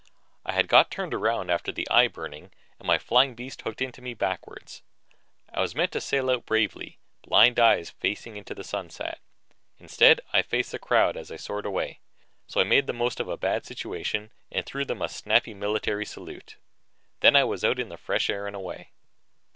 I had got turned around after the eye burning and my flying beast hooked onto me backward. I had meant to sail out bravely, blind eyes facing into the sunset; instead, I faced the crowd as I soared away, so I made the most of a bad situation and threw them a snappy military salute. Then I was out in the fresh air and away.